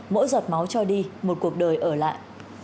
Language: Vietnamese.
mỗi giọt máu cho đi một cuộc đời ở lại